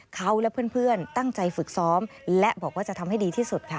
เขาและเพื่อนตั้งใจฝึกซ้อมและบอกว่าจะทำให้ดีที่สุดค่ะ